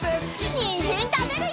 にんじんたべるよ！